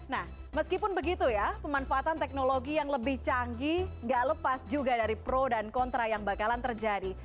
nah meskipun begitu ya pemanfaatan teknologi yang lebih canggih gak lepas juga dari pro dan kontra yang bakalan terjadi